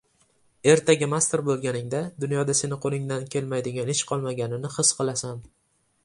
Ertaga master boʻlganingda dunyoda seni qoʻlingdan kelmaydigan ish qolmaganini his qilasan.